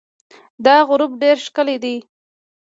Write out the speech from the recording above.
دا غروب ډېر ښکلی دی.